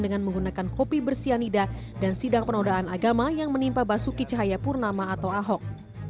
dengan menggunakan kopi bersianida dan sidang penodaan agama yang menimpa basuki cahayapurnama atau ahok